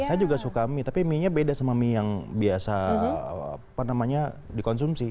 saya juga suka mie tapi mie nya beda sama mie yang biasa dikonsumsi